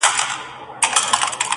• په قېمت لکه سېپۍ او مرغلري,